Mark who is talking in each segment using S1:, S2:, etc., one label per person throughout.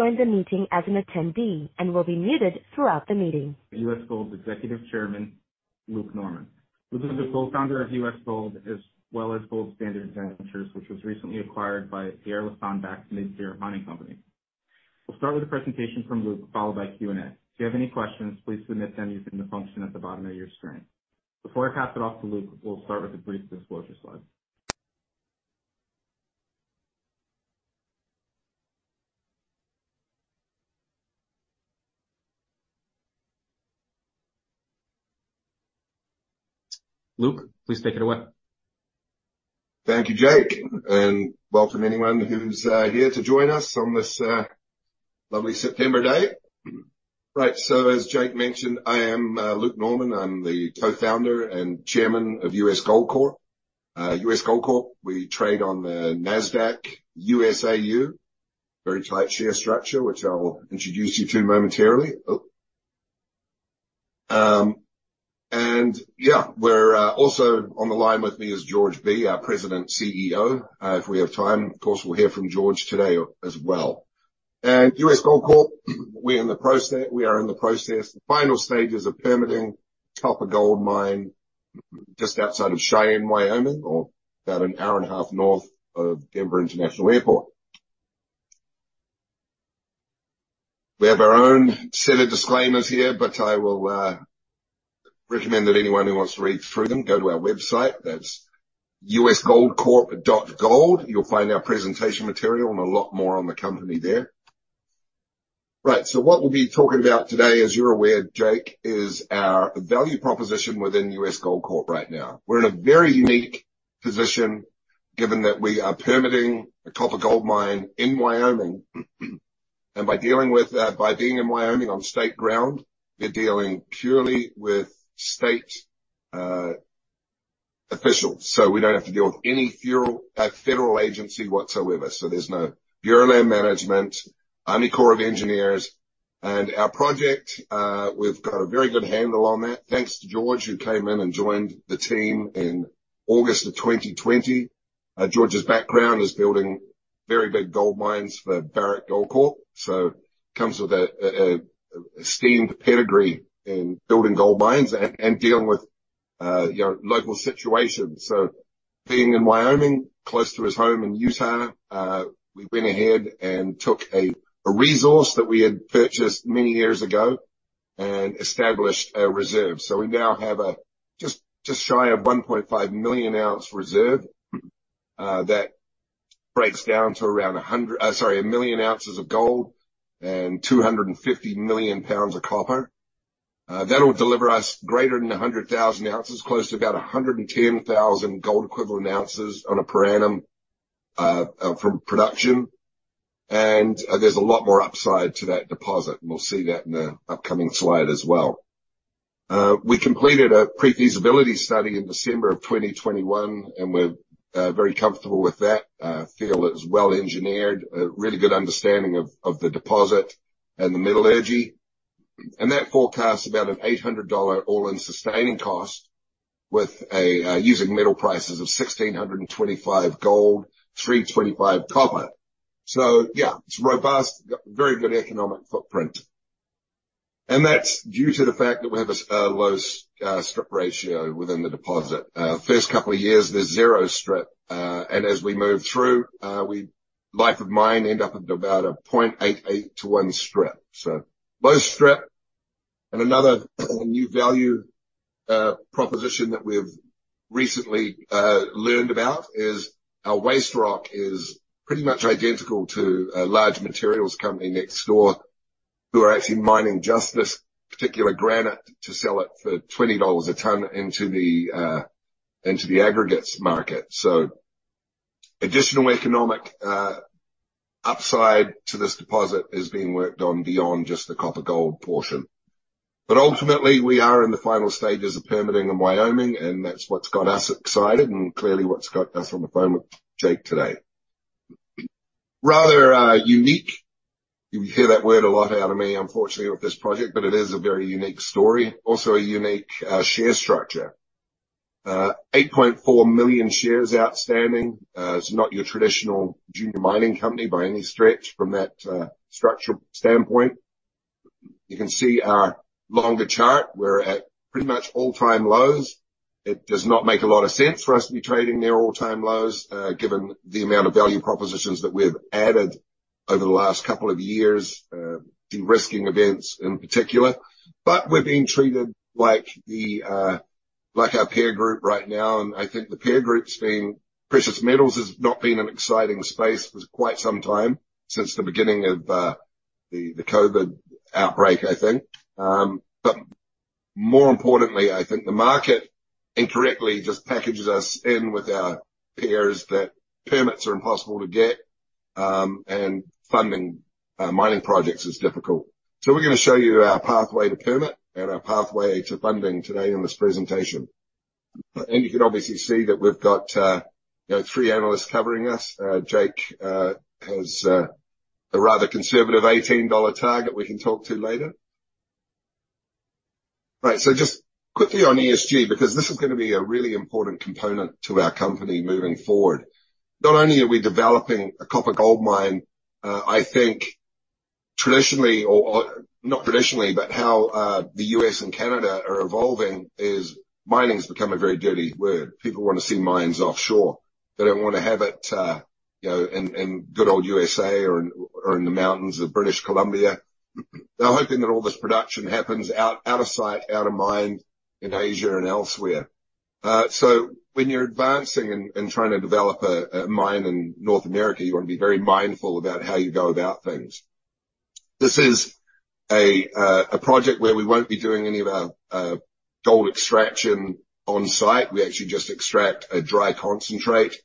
S1: Joined the meeting as an attendee and will be muted throughout the meeting.
S2: U.S. Gold Executive Chairman, Luke Norman. Luke is the co-founder of U.S. Gold, as well as Gold Standard Ventures, which was recently acquired by the Orla Mining backed Mid-Tier Mining Company. We'll start with a presentation from Luke, followed by Q&A. If you have any questions, please submit them using the function at the bottom of your screen. Before I pass it off to Luke, we'll start with a brief disclosure slide. Luke, please take it away.
S3: Thank you, Jake, and welcome anyone who's here to join us on this lovely September day. Right. As Jake mentioned, I am Luke Norman. I'm the co-founder and chairman of U.S. Gold Corp. U.S. Gold Corp, we trade on the Nasdaq USAU, very tight share structure, which I'll introduce you to momentarily. Yeah. Also, on the line with me is George Bee, our President, CEO. If we have time, of course, we'll hear from George today as well. U.S. Gold Corp, we are in the process, the final stages of permitting Copper King Gold Mine just outside of Cheyenne, Wyoming, or about an hour and a half north of Denver International Airport. We have our own set of disclaimers here, but I will recommend that anyone who wants to read through them go to our website. That's usgoldcorp.com. You'll find our presentation material and a lot more on the company there. Right. What we'll be talking about today, as you're aware, Jake, is our value proposition within U.S. Gold Corp right now. We're in a very unique position, given that we are permitting a copper gold mine in Wyoming. By dealing with, by being in Wyoming on state ground, we're dealing purely with state officials. We don't have to deal with any federal agency whatsoever. There's no Bureau of Land Management, Army Corps of Engineers. Our project, we've got a very good handle on that. Thanks to George, who came in and joined the team in August of 2020. George's background is building very big gold mines for Barrick Gold Corp, so comes with a esteemed pedigree in building gold mines and, and dealing with, your local situation. So being in Wyoming, close to his home in Utah, we went ahead and took a resource that we had purchased many years ago and established a reserve. So we now have a just, just shy of 1.5 million ounce reserve, that breaks down to around 100... sorry, 1 million ounces of gold and 250 million pounds of copper. That'll deliver us greater than 100,000 ounces, close to about 110,000 gold equivalent ounces on a per annum, from production. There's a lot more upside to that deposit, and we'll see that in the upcoming slide as well. We completed a pre-feasibility study in December of 2021, and we're very comfortable with that. Feel it's well engineered, a really good understanding of the deposit and the metallurgy. That forecasts about an $800 all-in sustaining cost with a. Using metal prices of $1,625 gold, $3.25 copper. It's robust, got very good economic footprint, and that's due to the fact that we have a low strip ratio within the deposit. First couple of years, there's zero strip, and as we move through, we life of mine end up at about a 0.88 to 1 strip. Low strip. Another, a new value proposition that we've recently learned about is our waste rock is pretty much identical to a large materials company next door, who are actually mining just this particular granite to sell it for $20 a ton into the aggregates market. Additional economic upside to this deposit is being worked on beyond just the copper gold portion. Ultimately, we are in the final stages of permitting in Wyoming, and that's what's got us excited and clearly what's got us on the phone with Jake today. Rather, unique. You hear that word a lot out of me, unfortunately, with this project, but it is a very unique story, also a unique share structure. 8.4 million shares outstanding. It's not your traditional junior mining company by any stretch from that structure standpoint. You can see our longer chart. We're at pretty much all-time lows. It does not make a lot of sense for us to be trading near all-time lows, given the amount of value propositions that we've added over the last couple of years, de-risking events in particular. We're being treated like the, like our peer group right now, and I think the peer group's been, precious metals has not been an exciting space for quite some time, since the beginning of the, the COVID outbreak, I think. More importantly, I think the market incorrectly just packages us in with our peers, that permits are impossible to get, and funding, mining projects is difficult. We're gonna show you our pathway to permit and our pathway to funding today in this presentation. You can obviously see that we've got, you know, three analysts covering us. Jake has a rather conservative $18 target we can talk to later. Right. Just quickly on ESG, because this is gonna be a really important component to our company moving forward. Not only are we developing a copper-gold mine, I think traditionally or not traditionally, but how the U.S. and Canada are evolving is mining has become a very dirty word. People want to see mines offshore. They don't want to have it, you know, in good old USA or in the mountains of British Columbia. They're hoping that all this production happens out of sight, out of mind, in Asia and elsewhere. When you're advancing and, and trying to develop a, a mine in North America, you want to be very mindful about how you go about things. This is a project where we won't be doing any of our gold extraction on-site. We actually just extract a dry concentrate,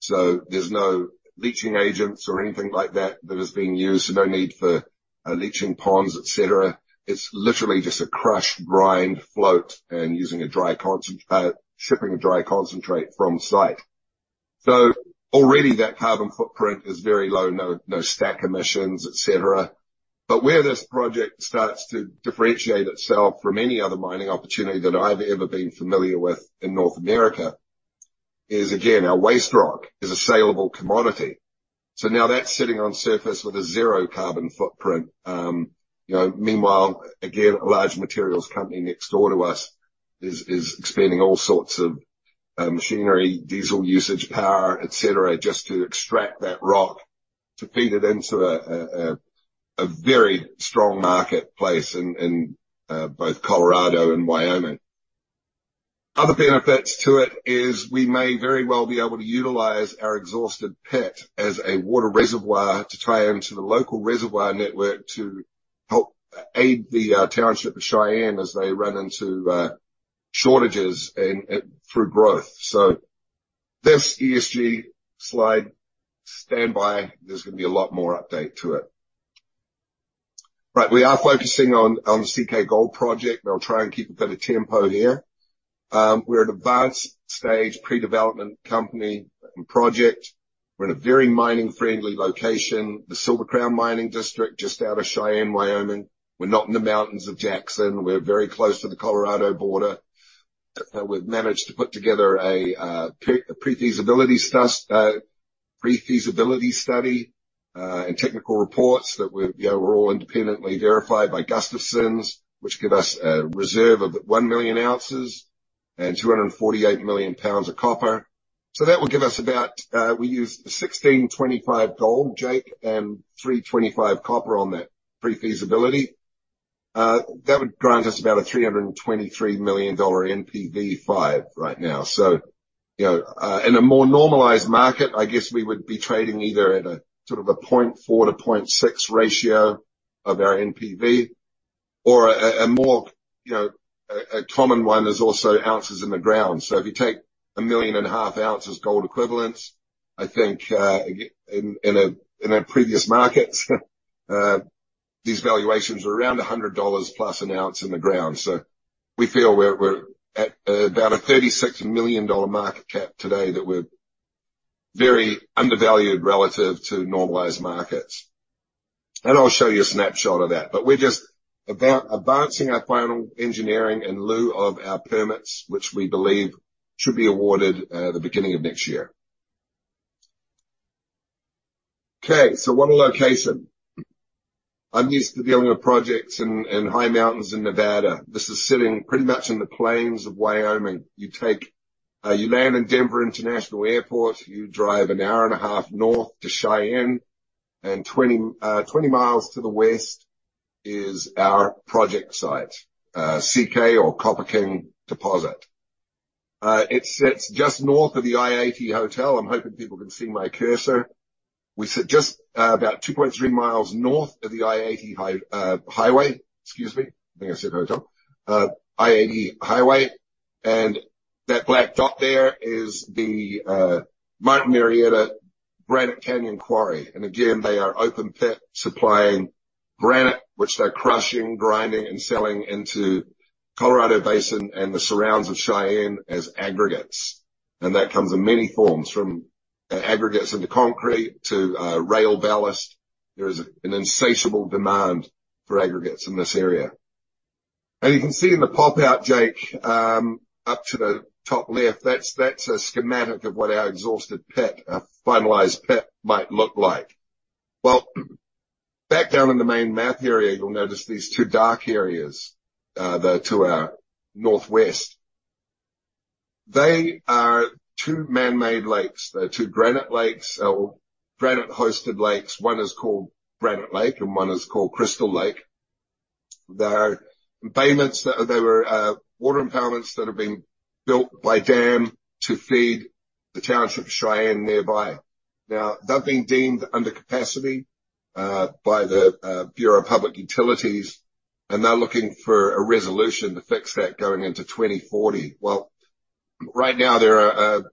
S3: so there's no leaching agents or anything like that, that is being used. No need for leaching ponds, et cetera. It's literally just a crush, grind, float, and using a dry concentrate, shipping a dry concentrate from site. Already that carbon footprint is very low, no stack emissions, et cetera. Where this project starts to differentiate itself from any other mining opportunity that I've ever been familiar with in North America is, again, our waste rock is a salable commodity. Now that's sitting on surface with a zero carbon footprint. You know, meanwhile, again, a large materials company next door to us is, is expanding all sorts of machinery, diesel usage, power, et cetera, just to extract that rock, to feed it into a very strong marketplace in both Colorado and Wyoming. Other benefits to it is we may very well be able to utilize our exhausted pit as a water reservoir to tie into the local reservoir network to help aid the township of Cheyenne as they run into shortages and through growth. This ESG slide, standby, there's gonna be a lot more update to it. Right, we are focusing on the CK Gold Project. I'll try and keep a bit of tempo here. We're an advanced stage pre-development company and project. We're in a very mining-friendly location, the Silver Crown mining district, just out of Cheyenne, Wyoming. We're not in the mountains of Jackson. We're very close to the Colorado border. We've managed to put together a pre-feasibility study and technical reports that were, you know, were all independently verified by Gustafson's, which give us a reserve of 1 million ounces and 248 million pounds of copper. That will give us about, we use $1,625 gold, Jake, and $3.25 copper on that pre-feasibility. That would grant us about a $323 million NPV5 right now. You know, in a more normalized market, I guess we would be trading either at a sort of a 0.4-0.6 ratio of our NPV or a, a, a more, you know, a, a common one is also ounces in the ground. If you take 1.5 million ounces gold equivalent, I think, in, in a, in a previous market, these valuations were around $100+ an ounce in the ground. We feel we're, we're at about a $36 million market cap today, that we're very undervalued relative to normalized markets. I'll show you a snapshot of that, but we're just advancing our final engineering in lieu of our permits, which we believe should be awarded the beginning of next year. Okay, what a location. I'm used to dealing with projects in, in high mountains in Nevada. This is sitting pretty much in the plains of Wyoming. You take, you land in Denver International Airport, you drive an hour and a half north to Cheyenne. 20 mi to the west is our project site, CK or Copper King Deposit. It sits just north of the I-80 hotel. I'm hoping people can see my cursor. We sit just about 2.3 mi north of the I-80 Highway. Excuse me. I think I said hotel. I-80 Highway. That black dot there is the Martin Marietta Granite Canyon Quarry. Again, they are open pit, supplying granite, which they're crushing, grinding, and selling into Colorado Basin and the surrounds of Cheyenne as aggregates. That comes in many forms, from aggregates into concrete to rail ballast. There is an insatiable demand for aggregates in this area. You can see in the pop-out, Jake, up to the top left, that's, that's a schematic of what our exhausted pit, a finalized pit might look like. Well, back down in the main map area, you'll notice these two dark areas, the to our northwest. They are two man-made lakes. They're two granite lakes, or granite-hosted lakes. One is called Granite Lake, and one is called Crystal Lake. They're embayments, they were water impoundments that have been built by dam to feed the township of Cheyenne nearby. Now, they've been deemed under capacity by the Bureau of Public Utilities, and they're looking for a resolution to fix that going into 2040. Right now, there are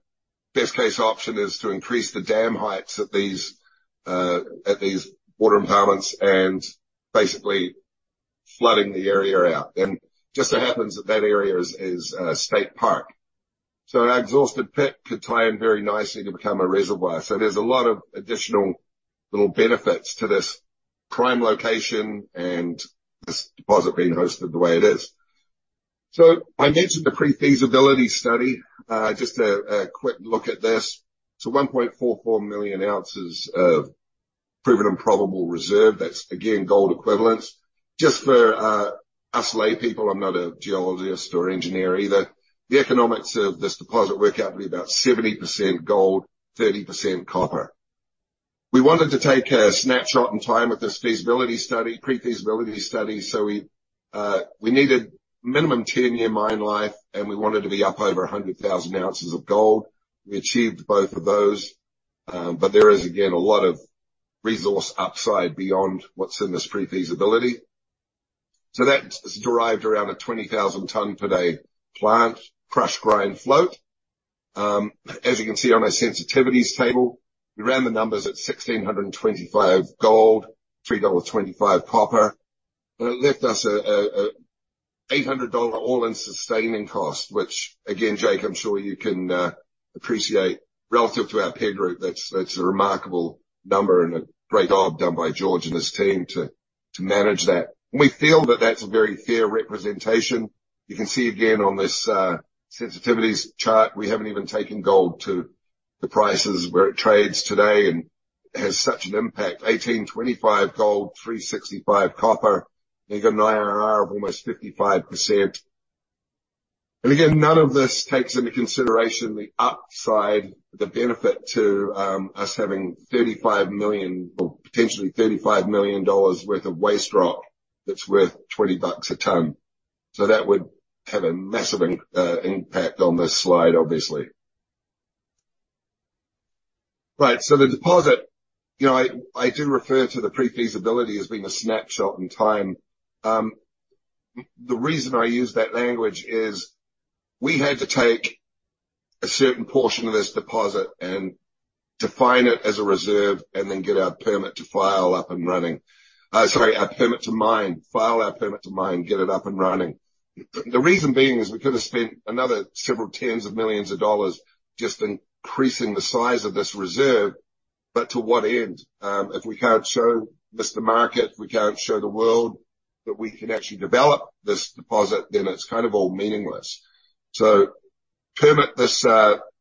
S3: best-case option is to increase the dam heights at these water impoundments and basically flooding the area out. Just so happens that that area is a state park. Our exhausted pit could tie in very nicely to become a reservoir. There's a lot of additional little benefits to this prime location and this deposit being hosted the way it is. I mentioned the pre-feasibility study. Just a quick look at this. 1.44 million ounces of proven and probable reserve, that's again, gold equivalents. Just for us laypeople, I'm not a geologist or engineer either. The economics of this deposit work out to be about 70% gold, 30% copper. We wanted to take a snapshot in time with this feasibility study, pre-feasibility study. We needed minimum 10-year mine life, and we wanted to be up over 100,000 ounces of gold. We achieved both of those, but there is, again, a lot of resource upside beyond what's in this pre-feasibility. That's derived around a 20,000 ton per day plant, crush, grind, float. As you can see on our sensitivities table, we ran the numbers at $1,625 gold, $3.25 copper, and it left us $800 all-in sustaining cost, which again, Jake, I'm sure you can appreciate relative to our peer group. That's a remarkable number and a great job done by George and his team to manage that. We feel that that's a very fair representation. You can see again on this, sensitivities chart, we haven't even taken gold to the prices where it trades today and has such an impact. $1,825 gold, $3.65 copper, you've got an IRR of almost 55%. Again, none of this takes into consideration the upside, the benefit to, us having $35 million or potentially $35 million worth of waste rock that's worth $20 a ton. That would have a massive impact on this slide, obviously. Right, so the deposit, you know, I, I do refer to the pre-feasibility as being a snapshot in time. The reason I use that language is we had to take a certain portion of this deposit and define it as a reserve, and then get our permit to file up and running. Sorry, our permit to mine. File our permit to mine, get it up and running. The reason being, is we could have spent another $several tens of millions of dollars just increasing the size of this reserve, but to what end? If we can't show this to market, we can't show the world that we can actually develop this deposit, then it's kind of all meaningless. Permit this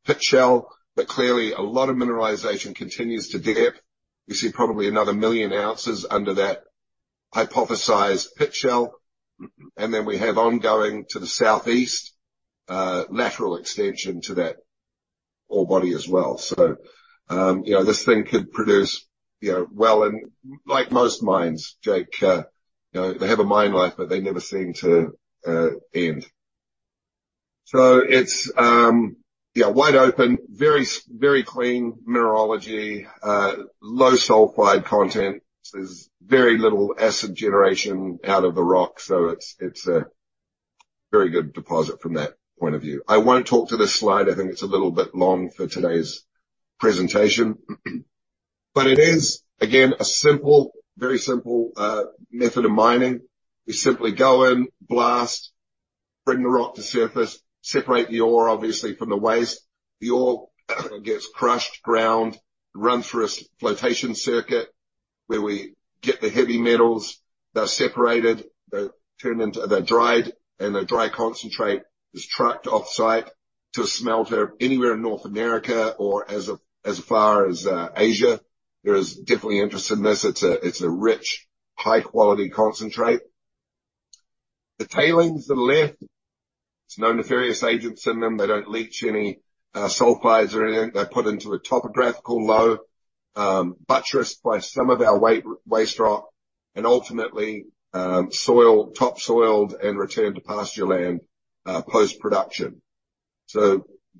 S3: pit shell, but clearly a lot of mineralization continues to dip. You see probably another 1 million ounces under that hypothesized pit shell, and then we have ongoing to the southeast, lateral extension to that ore body as well. You know, this thing could produce, you know, well, and like most mines, Jake, you know, they have a mine life, but they never seem to end. It's, yeah, wide open, very clean mineralogy, low sulfide content. There's very little acid generation out of the rock, so it's, it's a very good deposit from that point of view. I won't talk to this slide. I think it's a little bit long for today's presentation, but it is, again, a simple, very simple method of mining. We simply go in, blast, bring the rock to surface, separate the ore, obviously, from the waste. The ore gets crushed, ground, run through a flotation circuit, where we get the heavy metals. They're separated, they're turned into. They're dried, and the dry concentrate is trucked off-site to a smelter anywhere in North America or as, as far as Asia. There is definitely interest in this. It's a, it's a rich, high-quality concentrate. The tailings that are left, there's no nefarious agents in them. They don't leach any sulfides or anything. They're put into a topographical low, buttressed by some of our waste rock, and ultimately, soil, topsoiled and returned to pastureland post-production.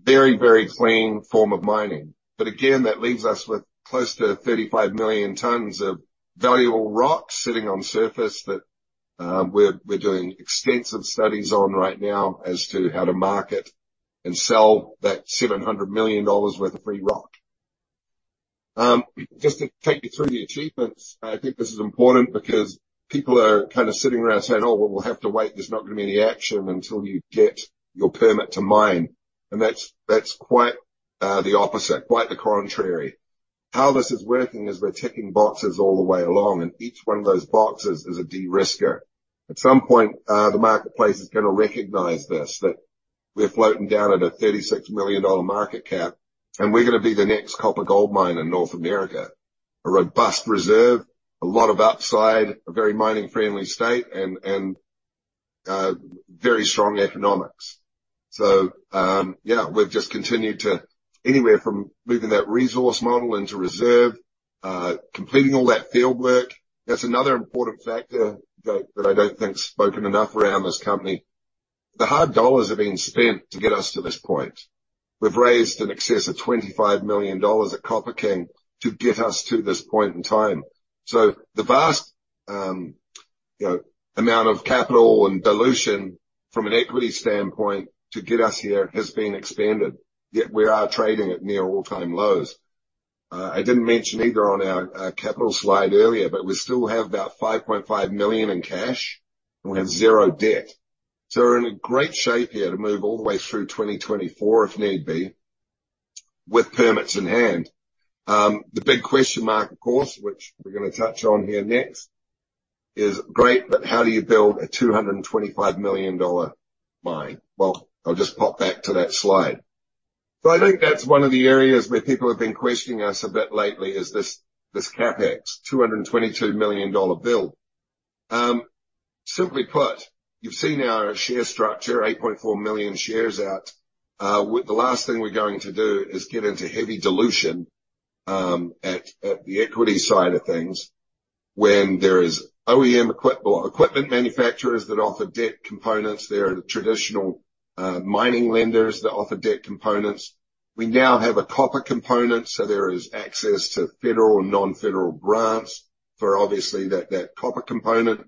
S3: Very, very clean form of mining. Again, that leaves us with close to 35 million tons of valuable rock sitting on surface that we're, we're doing extensive studies on right now as to how to market and sell that $700 million worth of free rock. Just to take you through the achievements, I think this is important because people are kind of sitting around saying, "Oh, well, we'll have to wait. There's not gonna be any action until you get your permit to mine." That's, that's quite the opposite. Quite the contrary. How this is working is we're ticking boxes all the way along, and each one of those boxes is a de-risker. At some point, the marketplace is gonna recognize this, that we're floating down at a $36 million market cap, and we're gonna be the next copper gold miner in North America. A robust reserve, a lot of upside, a very mining-friendly state and, and, very strong economics. Yeah, we've just continued to Anywhere from moving that resource model into reserve, completing all that field work. That's another important factor that, that I don't think is spoken enough around this company. The hard dollars are being spent to get us to this point. We've raised in excess of $25 million at Copper King to get us to this point in time. The vast, you know, amount of capital and dilution from an equity standpoint to get us here has been expanded, yet we are trading at near all-time lows. I didn't mention either on our capital slide earlier, but we still have about $5.5 million in cash, and we have zero debt. We're in a great shape here to move all the way through 2024 if need be, with permits in hand. The big question mark, of course, which we're going to touch on here next, is great, but how do you build a $225 million mine? Well, I'll just pop back to that slide. I think that's one of the areas where people have been questioning us a bit lately, is this, this CapEx, $222 million build. Simply put, you've seen our share structure, 8.4 million shares out. With the last thing we're going to do is get into heavy dilution at the equity side of things. When there is OEM equipment manufacturers that offer debt components, there are the traditional mining lenders that offer debt components. We now have a copper component, there is access to federal and non-federal grants for obviously that, that copper component.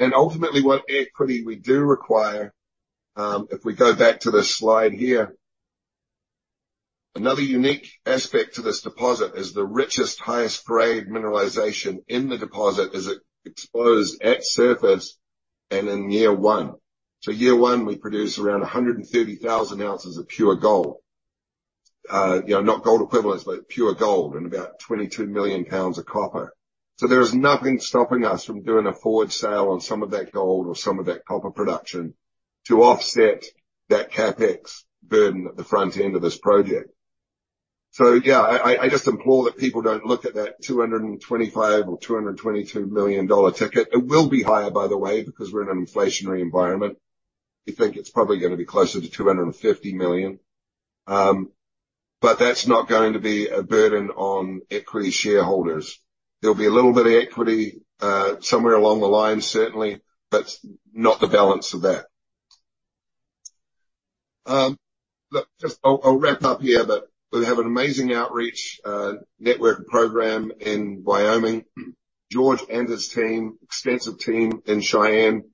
S3: Ultimately, what equity we do require, if we go back to this slide here. Another unique aspect to this deposit is the richest, highest grade mineralization in the deposit is exposed at surface and in year one. Year one, we produce around 130,000 ounces of pure gold. You know, not gold equivalents, but pure gold and about 22 million pounds of copper. There is nothing stopping us from doing a forward sale on some of that gold or some of that copper production to offset that CapEx burden at the front end of this project. Yeah, I, I, I just implore that people don't look at that $225 million or $222 million ticket. It will be higher, by the way, because we're in an inflationary environment. We think it's probably gonna be closer to $250 million. But that's not going to be a burden on equity shareholders. There'll be a little bit of equity somewhere along the line, certainly, but not the balance of that. Look, just I'll, I'll wrap up here, but we have an amazing outreach network program in Wyoming. George and his team, extensive team in Cheyenne,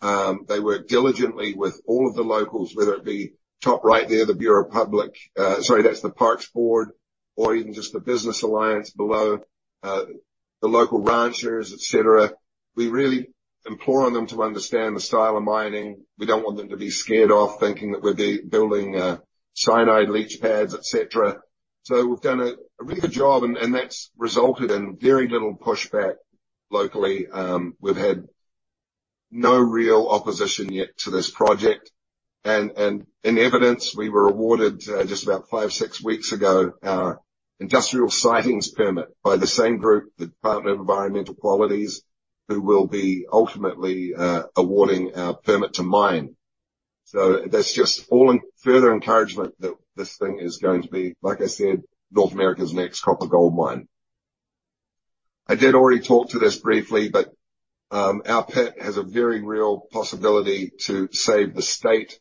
S3: they work diligently with all of the locals, whether it be top right there, the Bureau of Public... sorry, that's the Parks Board or even just the business alliance below, the local ranchers, et cetera. We really implore on them to understand the style of mining. We don't want them to be scared off, thinking that we're building cyanide, leach pads, et cetera. We've done a, a really good job, and, and that's resulted in very little pushback locally. We've had no real opposition yet to this project, and, and in evidence, we were awarded just about five, six weeks ago, our Industrial Sitings Permit by the same group, the Department of Environmental Quality, who will be ultimately awarding our permit to mine. That's just all in further encouragement that this thing is going to be, like I said, North America's next copper gold mine. I did already talk to this briefly, our pit has a very real possibility to save the state,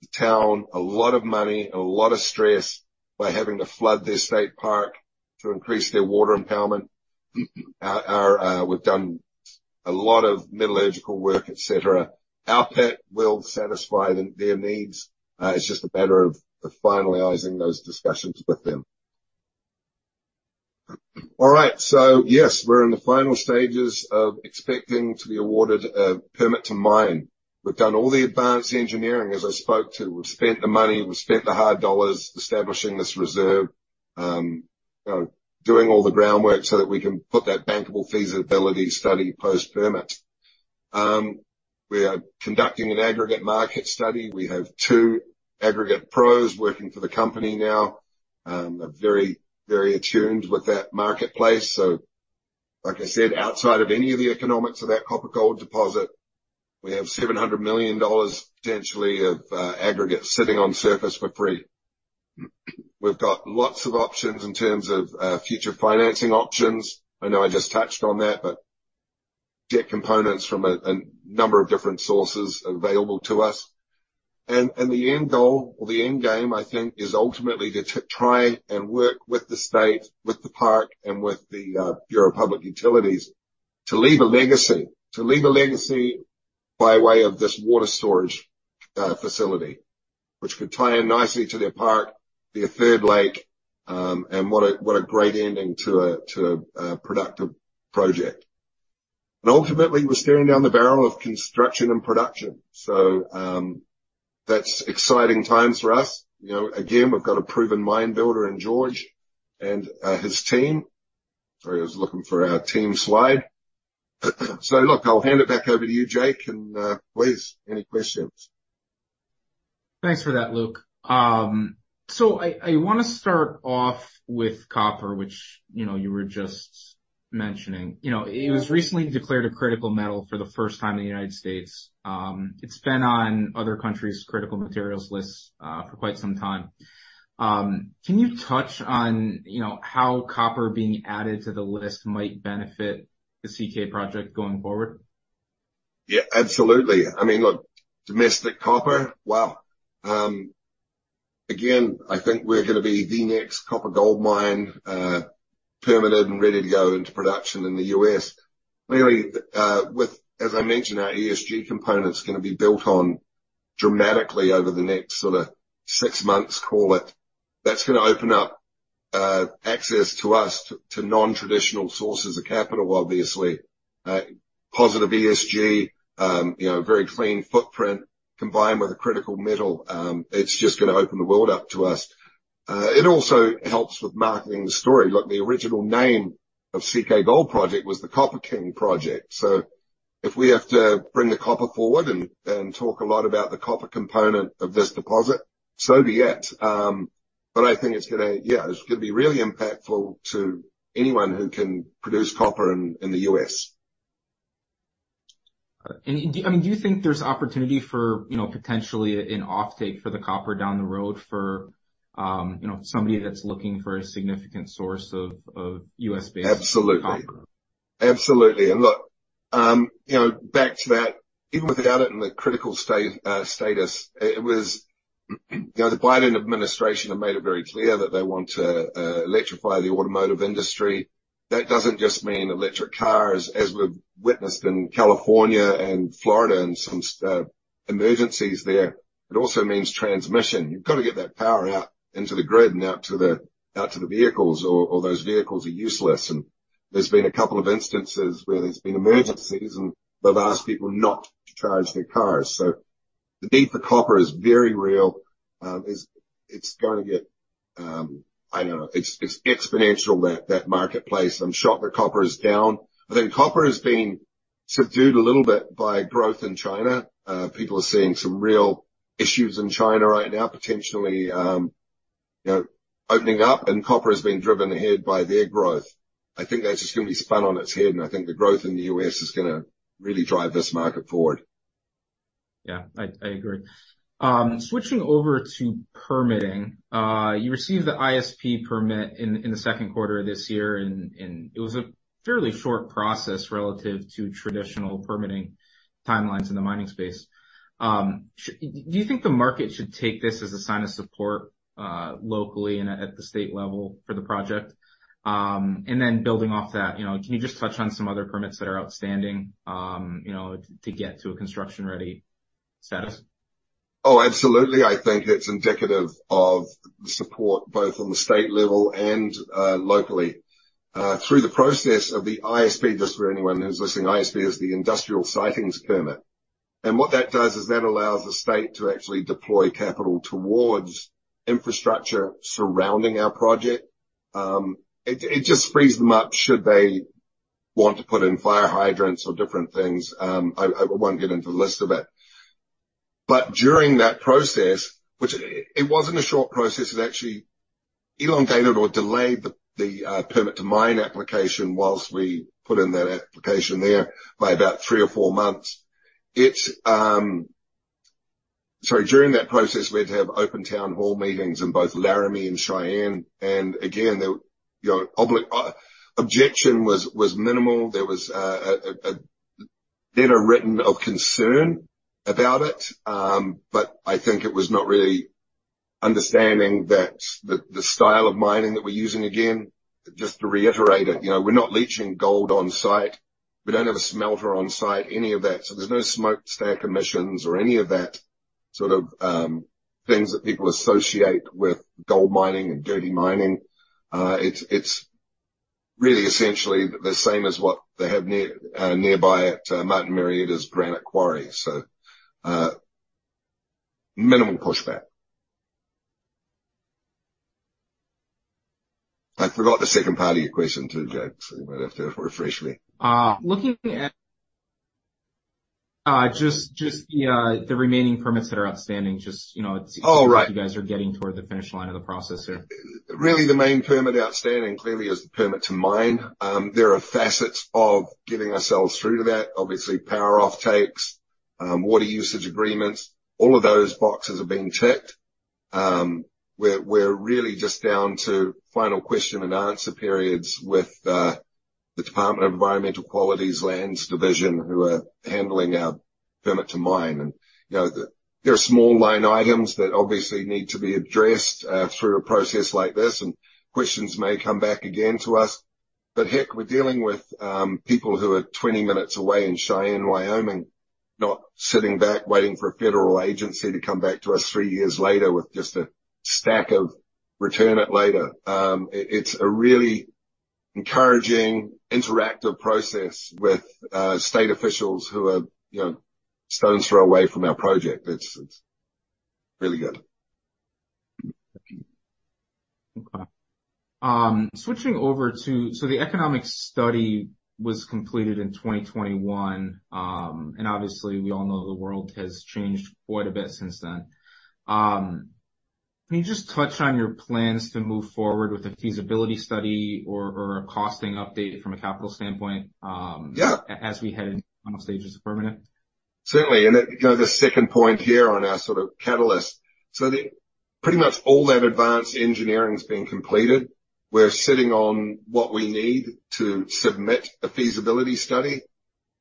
S3: the town, a lot of money and a lot of stress by having to flood their state park to increase their water impoundment. Our. We've done a lot of metallurgical work, et cetera. Our pit will satisfy their needs. It's just a matter of, of finalizing those discussions with them. Yes, we're in the final stages of expecting to be awarded a permit to mine. We've done all the advanced engineering, as I spoke to. We've spent the money, we've spent the hard dollars establishing this reserve, doing all the groundwork so that we can put that bankable feasibility study post-permit. We are conducting an aggregate market study. We have two aggregate pros working for the company now, are very, very attuned with that marketplace. Like I said, outside of any of the economics of that copper gold deposit, we have $700 million, potentially of aggregate sitting on surface for free. We've got lots of options in terms of future financing options. I know I just touched on that, get components from a, a number of different sources available to us. The end goal or the end game, I think, is ultimately to try and work with the state, with the park, and with the Bureau of Public Utilities to leave a legacy. To leave a legacy by way of this water storage facility, which could tie in nicely to their park, be a third lake, and what a, what a great ending to a, to a productive project. Ultimately, we're staring down the barrel of construction and production. That's exciting times for us. You know, again, we've got a proven mine builder in George and his team. Sorry, I was looking for our team slide. Look, I'll hand it back over to you, Jake, and please, any questions?
S2: Thanks for that, Luke. I, I wanna start off with copper, which, you know, you were just mentioning. You know, it was recently declared a critical mineral for the first time in the United States. It's been on other countries' critical materials list for quite some time. Can you touch on, you know, how copper being added to the list might benefit the CK Project going forward?
S3: Yeah, absolutely. I mean, look, domestic copper, well, again, I think we're gonna be the next copper gold mine, permitted and ready to go into production in the U.S. Really, As I mentioned, our ESG component is gonna be built on dramatically over the next sort of six months, call it. That's gonna open up access to us to, to nontraditional sources of capital, obviously. Positive ESG, you know, very clean footprint, combined with a critical mineral, it's just gonna open the world up to us. It also helps with marketing the story. Look, the original name of CK Gold Project was the Copper King Project. If we have to bring the copper forward and talk a lot about the copper component of this deposit, so be it. I think yeah, it's gonna be really impactful to anyone who can produce copper in, in the U.S.
S2: Do, I mean, do you think there's opportunity for, you know, potentially an offtake for the copper down the road for, you know, somebody that's looking for a significant source of, of U.S.-based-
S3: Absolutely....
S2: copper?
S3: Absolutely. Look, you know, back to that, even without it in the critical status, it was... You know, the Biden administration have made it very clear that they want to electrify the automotive industry. That doesn't just mean electric cars, as we've witnessed in California and Florida, and some emergencies there. It also means transmission. You've got to get that power out into the grid and out to the vehicles or those vehicles are useless. There's been two instances where there's been emergencies, and they've asked people not to charge their cars. The need for copper is very real. It's gonna get, I don't know, it's exponential that marketplace. I'm sure the copper is down. I think copper has been subdued a little bit by growth in China. People are seeing some real issues in China right now, potentially, you know, opening up, and copper has been driven ahead by their growth. I think that's just gonna be spun on its head, and I think the growth in the U.S. is gonna really drive this market forward.
S2: Yeah, I, I agree. Switching over to permitting. You received the ISP permit in the second quarter of this year, and it was a fairly short process relative to traditional permitting timelines in the mining space. Do you think the market should take this as a sign of support locally and at the state level for the project? Then building off that, you know, can you just touch on some other permits that are outstanding, you know, to get to a construction-ready status?
S3: Oh, absolutely. I think it's indicative of the support, both on the state level and locally. Through the process of the ISP, just for anyone who's listening, ISP is the Industrial Sitings Permit. What that does is that allows the state to actually deploy capital towards infrastructure surrounding our project. It, it just frees them up, should they want to put in fire hydrants or different things. I, I won't get into the list of it. During that process, which it, it wasn't a short process, it actually elongated or delayed the permit to mine application whilst we put in that application there by about three or four months. During that process, we had to have open town hall meetings in both Laramie and Cheyenne, and again, the, you know, objection was, was minimal. There was a letter written of concern about it, but I think it was not really understanding that the style of mining that we're using, again, just to reiterate it, you know, we're not leaching gold on site. We don't have a smelter on site, any of that. There's no smokestack emissions or any of that sort of things that people associate with gold mining and dirty mining. It's really essentially the same as what they have near nearby at Martin Marietta's Granite Quarry, so minimum pushback. I forgot the second part of your question, too, Jake, so you might have to refresh me.
S2: Looking at the remaining permits that are outstanding, you know.
S3: Oh, right.
S2: You guys are getting toward the finish line of the process here.
S3: Really, the main permit outstanding, clearly, is the permit to mine. There are facets of getting ourselves through to that. Obviously, power offtakes, water usage agreements, all of those boxes are being ticked. We're, we're really just down to final question and answer periods with the Department of Environmental Quality's Lands Division, who are handling our permit to mine. You know, there are small line items that obviously need to be addressed through a process like this, and questions may come back again to us. Heck, we're dealing with people who are 20 minutes away in Cheyenne, Wyoming, not sitting back, waiting for a federal agency to come back to us three years later with just a stack of return it later. It's a really encouraging interactive process with state officials who are, you know, a stone's throw away from our project. It's really good.
S2: Okay. switching over to... The economic study was completed in 2021, and obviously, we all know the world has changed quite a bit since then. Can you just touch on your plans to move forward with a feasibility study or, or a costing update from a capital standpoint?
S3: Yeah.
S2: As we head into final stages of permitting?
S3: Certainly, it, you know, the second point here on our sort of catalyst. Pretty much all that advanced engineering has been completed. We're sitting on what we need to submit a feasibility study,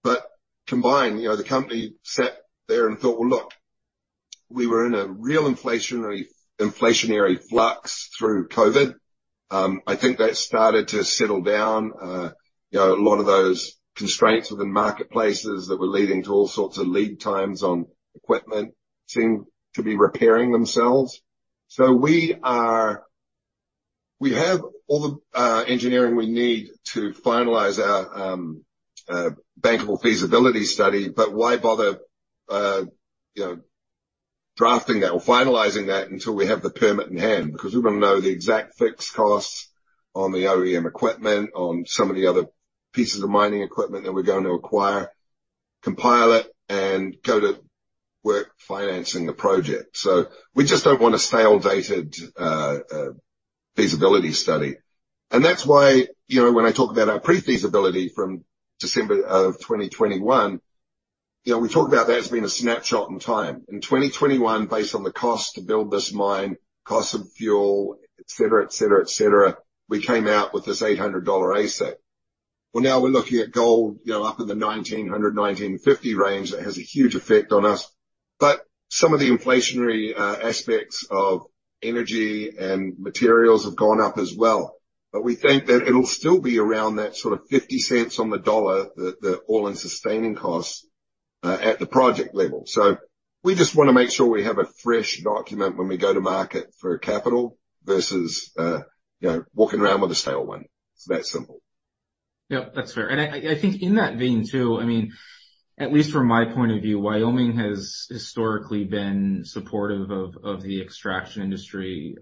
S3: but combined, you know, the company sat there and thought, well, look, we were in a real inflationary, inflationary flux through COVID. I think that started to settle down. You know, a lot of those constraints within marketplaces that were leading to all sorts of lead times on equipment seem to be repairing themselves. We have all the engineering we need to finalize our bankable feasibility study, but why bother, you know, drafting that or finalizing that until we have the permit in hand? We want to know the exact fixed costs on the OEM equipment, on some of the other pieces of mining equipment that we're going to acquire, compile it, and go to work financing the project. We just don't want a stale, dated, feasibility study. That's why, you know, when I talk about our pre-feasibility from December of 2021, you know, we talk about that as being a snapshot in time. In 2021, based on the cost to build this mine, cost of fuel, et cetera, et cetera, et cetera, we came out with this $800 asset. Now we're looking at gold, you know, up in the $1,900-$1,950 range. That has a huge effect on us. Some of the inflationary aspects of energy and materials have gone up as well. We think that it'll still be around that sort of $0.50 on the dollar, the, the all-in sustaining costs at the project level. We just wanna make sure we have a fresh document when we go to market for capital versus, you know, walking around with a stale one. It's that simple.
S2: Yeah, that's fair. I, I, I think in that vein, too, I mean, at least from my point of view, Wyoming has historically been supportive of, of the extraction industry,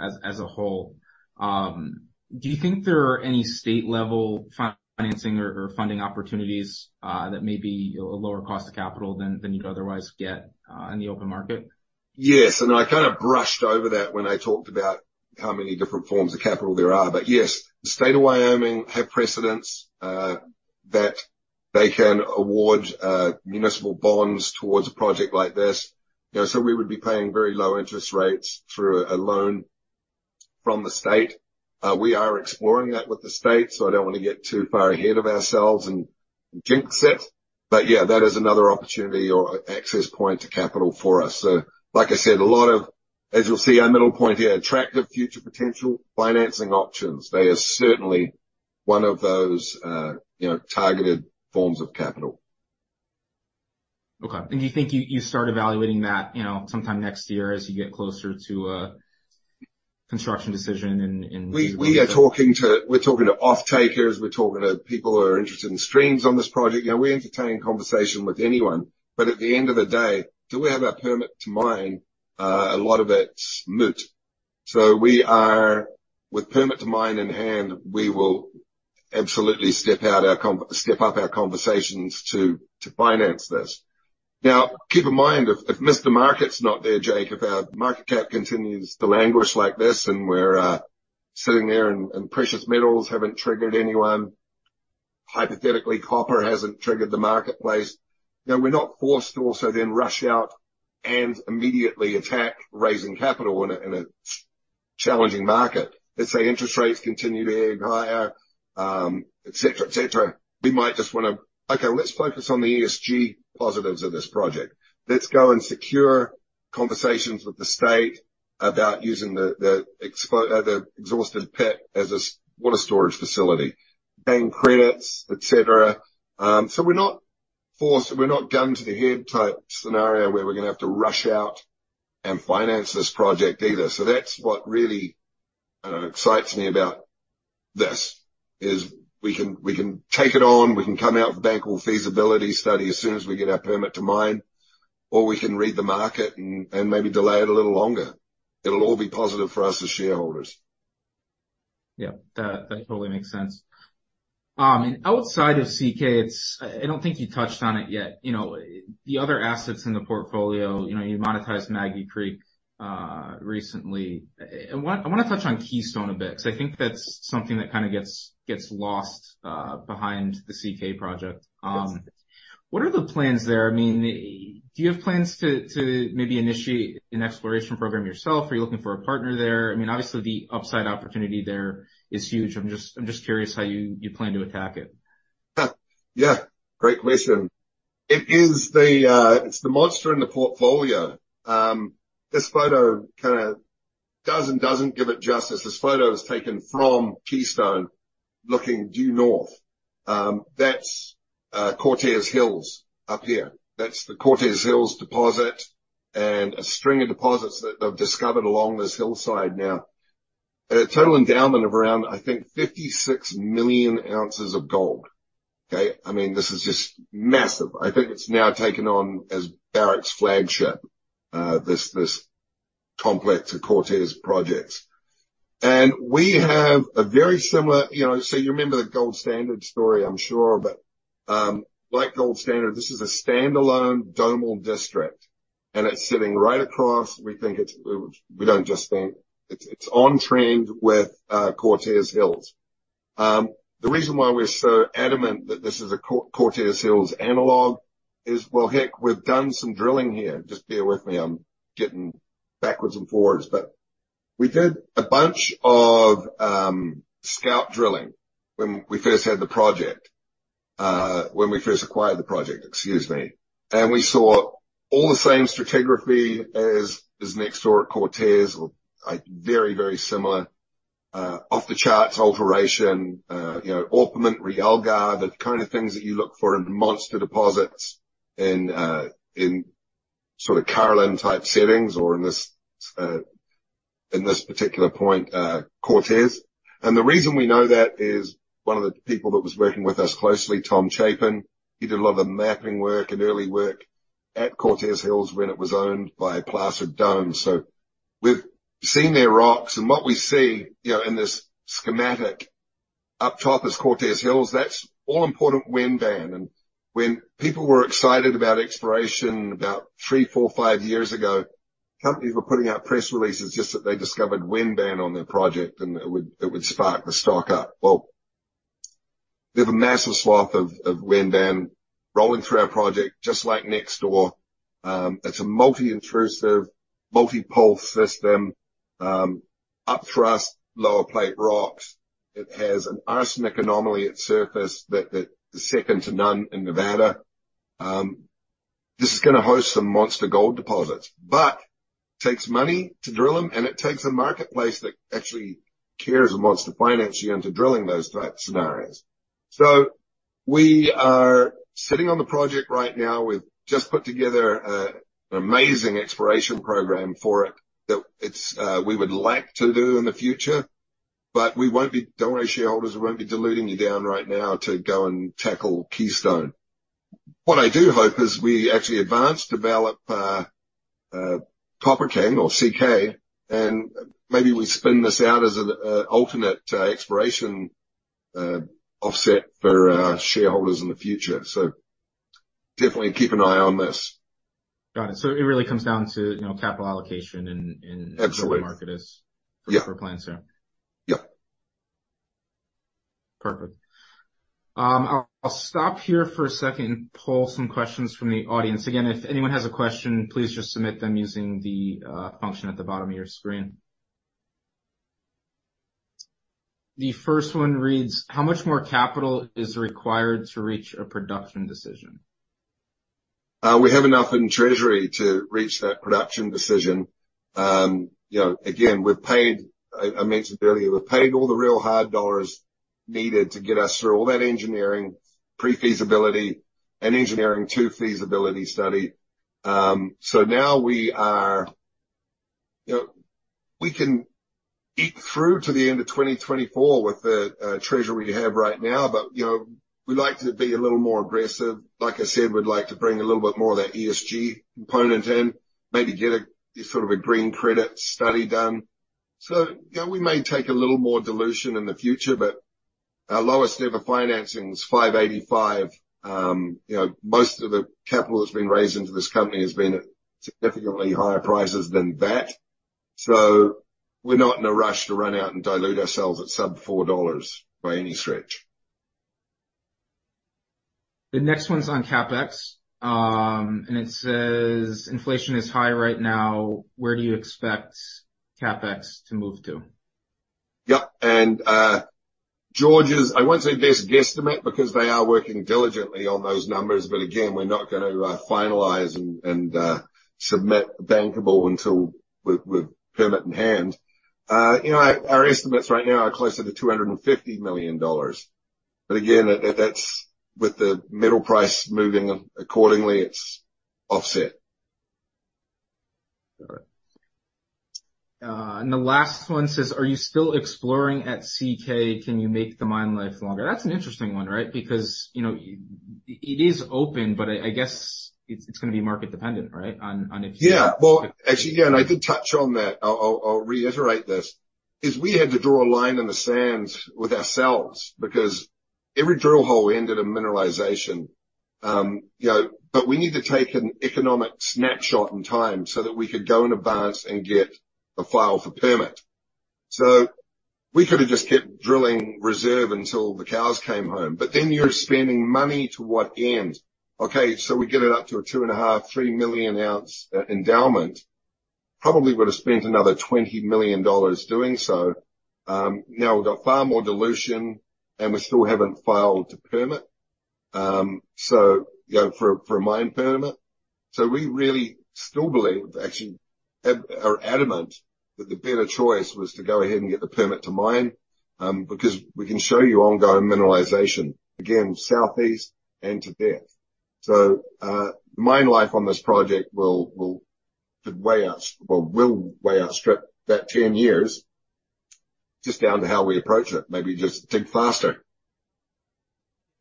S2: as, as a whole. Do you think there are any state-level financing or, or funding opportunities, that may be a lower cost of capital than, than you'd otherwise get, in the open market?
S3: Yes, I kind of brushed over that when I talked about how many different forms of capital there are. Yes, the state of Wyoming have precedents that they can award municipal bonds towards a project like this. You know, we would be paying very low interest rates for a loan from the state. We are exploring that with the state, I don't want to get too far ahead of ourselves and jinx it. Yeah, that is another opportunity or access point to capital for us. Like I said, a lot of... As you'll see our middle point here, attractive future potential financing options. They are certainly one of those, you know, targeted forms of capital.
S2: Okay. Do you think you, you start evaluating that, you know, sometime next year as you get closer to a construction decision in, in-?
S3: We, we are talking to, we're talking to offtakers, we're talking to people who are interested in streams on this project. You know, we're entertaining conversation with anyone, but at the end of the day, till we have our permit to mine, a lot of it's moot. We are, with permit to mine in hand, we will absolutely step up our conversations to, to finance this. Keep in mind, if, if Mr. Market's not there, Jake, if our market cap continues to languish like this, and we're sitting there and, and precious metals haven't triggered anyone, hypothetically, copper hasn't triggered the marketplace, you know, we're not forced to also then rush out and immediately attack raising capital in a, in a challenging market. Let's say interest rates continue to head higher, et cetera, et cetera. We might just wanna... Okay, let's focus on the ESG positives of this project. Let's go and secure conversations with the state about using the, the exhausted pit as a water storage facility, paying credits, et cetera. We're not gun to the head type scenario, where we're gonna have to rush out and finance this project either. That's what really excites me about this, is we can, we can take it on, we can come out with a bankable feasibility study as soon as we get our permit to mine, or we can read the market and, and maybe delay it a little longer. It'll all be positive for us as shareholders.
S2: Yeah, that, that totally makes sense. And outside of CK, I don't think you touched on it yet. You know, the other assets in the portfolio, you know, you monetized Maggie Creek recently. I wanna touch on Keystone a bit, because I think that's something that kind of gets, gets lost behind the CK project.
S3: Yes.
S2: What are the plans there? I mean, do you have plans to maybe initiate an exploration program yourself, or are you looking for a partner there? I mean, obviously, the upside opportunity there is huge. I'm just curious how you plan to attack it.
S3: Yeah, great question. It is the, it's the monster in the portfolio. This photo kind of does and doesn't give it justice. This photo is taken from Keystone, looking due north. That's Cortez Hills up here. That's the Cortez Hills deposit, and a string of deposits that they've discovered along this hillside. Now, a total endowment of around, I think, 56 million ounces of gold. Okay? I mean, this is just massive. I think it's now taken on as Barrick's flagship, this, this complex of Cortez projects. We have a very similar... You know, so you remember the Gold Standard story, I'm sure, but, like Gold Standard, this is a standalone domal district, and it's sitting right across. We think it's, we don't just think. It's on trend with Cortez Hills. The reason why we're so adamant that this is a Cortez Hills analog is, well, heck, we've done some drilling here. Just bear with me, I'm getting backwards and forwards. We did a bunch of, scout drilling when we first had the project, when we first acquired the project, excuse me. We saw all the same stratigraphy as is next door at Cortez, or, like, very, very similar, off-the-charts alteration, you know, orpiment, realgar, the kind of things that you look for in monster deposits in, in sort of Carlin-type settings, or in this, in this particular point, Cortez. The reason we know that is one of the people that was working with us closely, Tom Chapin, he did a lot of the mapping work and early work at Cortez Hills when it was owned by Placer Dome. We've seen their rocks, and what we see, you know, in this schematic, up top is Cortez Hills. That's all important wind band. When people were excited about exploration about three, four, five years ago, companies were putting out press releases just that they discovered wind band on their project, and it would, it would spark the stock up. Well, we have a massive swath of, of wind band rolling through our project, just like next door. It's a multi-intrusive, multi-pole system, upthrust, lower plate rocks. It has an arsenic anomaly at surface that, that is second to none in Nevada. This is gonna host some monster gold deposits, but takes money to drill them, and it takes a marketplace that actually cares and wants to finance you into drilling those type scenarios. We are sitting on the project right now. We've just put together an amazing exploration program for it that it's we would like to do in the future, but we won't be. Don't worry, shareholders, we won't be diluting you down right now to go and tackle Keystone. What I do hope is we actually advance, develop, Copper King or CK, and maybe we spin this out as an alternate exploration offset for our shareholders in the future. Definitely keep an eye on this.
S2: Got it. It really comes down to, you know, capital allocation.
S3: Absolutely.
S2: Where the market is-
S3: Yeah....
S2: for plans there.
S3: Yeah.
S2: Perfect. I'll stop here for a second and pull some questions from the audience. Again, if anyone has a question, please just submit them using the function at the bottom of your screen. The first one reads: How much more capital is required to reach a production decision?
S3: We have enough in treasury to reach that production decision. You know, again, we've paid, I, I mentioned earlier, we've paid all the real hard dollars needed to get us through all that engineering, pre-feasibility and engineering to feasibility study. Now we are... You know, we can eke through to the end of 2024 with the treasury we have right now, but, you know, we'd like to be a little more aggressive. Like I said, we'd like to bring a little bit more of that ESG component in, maybe get a, a sort of a green credit study done. You know, we may take a little more dilution in the future, but our lowest level financing is $5.85. You know, most of the capital that's been raised into this company has been at significantly higher prices than that. We're not in a rush to run out and dilute ourselves at sub $4 by any stretch.
S2: The next one's on CapEx, and it says, "Inflation is high right now. Where do you expect CapEx to move to?
S3: Yeah, George's, I won't say best guesstimate, because they are working diligently on those numbers, but again, we're not gonna finalize and submit bankable until with permit in hand. You know, our estimates right now are closer to $250 million, but again, that's with the metal price moving accordingly, it's offset.
S2: All right. The last one says: Are you still exploring at CK? Can you make the mine life longer? That's an interesting one, right? Because, you know, it is open, but I, I guess it's, it's gonna be market dependent, right? On, on if-
S3: Yeah. Well, actually, again, I did touch on that. I'll reiterate this, is we had to draw a line in the sand with ourselves because every drill hole ended in mineralization. you know, but we need to take an economic snapshot in time so that we could go in advance and get the file for permit. We could have just kept drilling reserve until the cows came home, but then you're spending money to what end? We get it up to a 2.5 million-3 million ounce endowment. Probably would've spent another $20 million doing so. Now we've got far more dilution, and we still haven't filed the permit. you know, for, for a mine permit. We really still believe, actually, are adamant, that the better choice was to go ahead and get the permit to mine, because we can show you ongoing mineralization, again, southeast and to depth. The mine life on this project will, will way out, or will way outstrip that 10 years, just down to how we approach it. Maybe just dig faster.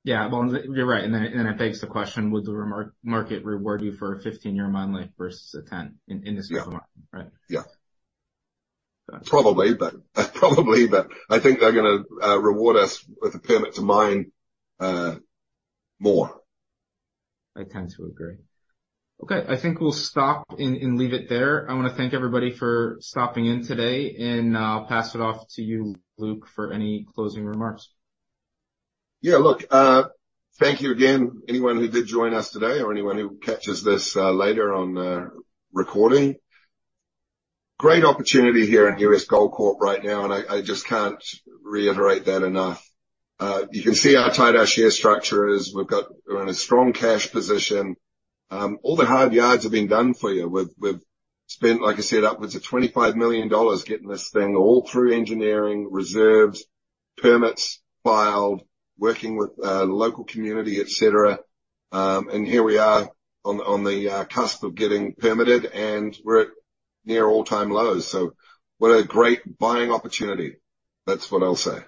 S2: Yeah, well, you're right, and then, and then it begs the question, would the market reward you for a 15-year mine life versus a 10 in, in this current market, right?
S3: Yeah.
S2: Got it.
S3: Probably, but, probably, but I think they're gonna reward us with a permit to mine more.
S2: I tend to agree. Okay, I think we'll stop and leave it there. I wanna thank everybody for stopping in today, and I'll pass it off to you, Luke, for any closing remarks.
S3: Yeah, look, thank you again, anyone who did join us today or anyone who catches this later on recording. Great opportunity here in U.S. Gold Corp. right now, and I, I just can't reiterate that enough. You can see how tight our share structure is. We're in a strong cash position. All the hard yards have been done for you. We've spent, like I said, upwards of $25 million getting this thing all through engineering, reserves, permits filed, working with local community, et cetera. Here we are on the cusp of getting permitted, and we're at near all-time lows. What a great buying opportunity. That's what I'll say.